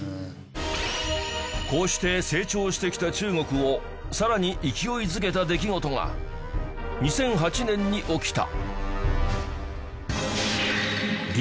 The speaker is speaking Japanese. こうして成長してきた中国をさらに勢いづけた出来事が２００８年に起きた